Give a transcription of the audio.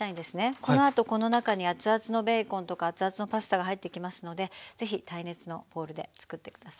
このあとこの中に熱々のベーコンとか熱々のパスタが入ってきますので是非耐熱のボウルでつくって下さい。